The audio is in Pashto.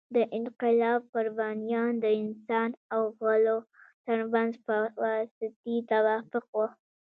د انقلاب قربانیان د انسان او غلو تر منځ فاوستي توافق وو.